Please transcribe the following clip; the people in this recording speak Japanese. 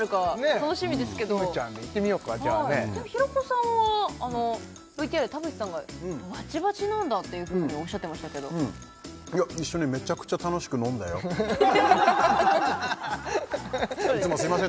楽しみですけどきむちゃんでいってみようか平子さんはＶＴＲで田渕さんがバチバチなんだというふうにおっしゃってましたけどいや一緒にめちゃくちゃ楽しく飲んだよいつもすいません